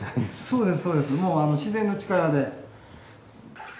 そうですそうですもう自然の力で。